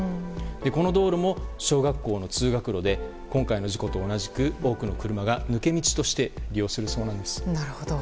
この道路も小学校の通学路で今回の事故と同じく多くの車が抜け道として利用するそうなんです。